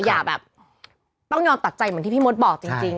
อย่าแบบต้องยอมตัดใจเหมือนที่พี่มดบอกจริง